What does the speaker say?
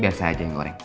biar saya aja yang goreng